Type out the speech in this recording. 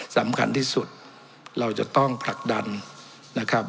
สำคัญที่สุดเราจะต้องผลักดันนะครับ